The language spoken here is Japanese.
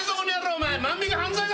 お前。